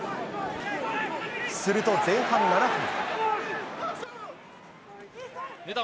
すると前半７分。